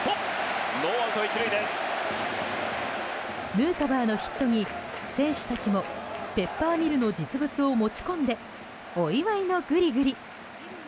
ヌートバーのヒットに選手たちもペッパーミルの実物を持ち込んでお祝いのぐりぐり。